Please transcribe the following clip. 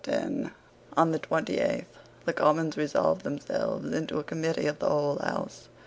On the twenty eighth the Commons resolved themselves into a committee of the whole House.